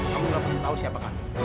yang jelas kamu harus ikut sekarang